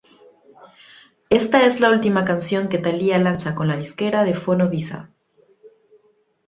Esta es la última canción que Thalia lanza con la disquera de Fonovisa.